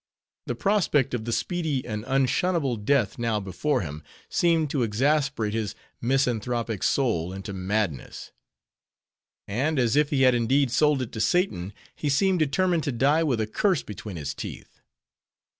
The prospect of the speedy and unshunable death now before him, seemed to exasperate his misanthropic soul into madness; and as if he had indeed sold it to Satan, he seemed determined to die with a curse between his teeth.